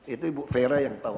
itu ibu vera yang tahu